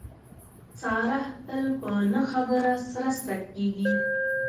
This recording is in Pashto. ساره تل په نه خبره سره سره کېږي.